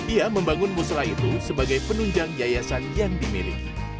ia membangun musrah itu sebagai penunjang yayasan yang dimiliki